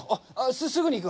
すすぐに行く。